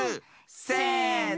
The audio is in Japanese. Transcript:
せの！